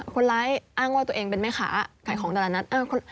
คนร้ายอ้างว่าตัวเองเป็นแม่ค้าขายของตลาดนัด